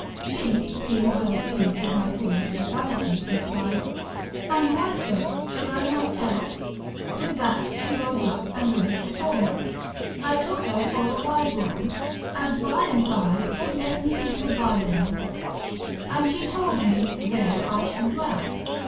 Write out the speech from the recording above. she, being well pleased with my foolish urbanity, replied, and why, sir, should I not tell? With that she rose up and went before me. I took her for a wise woman, and by and by she led me into a by lane, and told me there I should dwell.